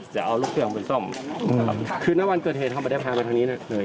จะเอาลูกเครื่องเป็นซ่อมคือในวันเกิดเหตุภาพบรรยาภาพบรรยาภาพ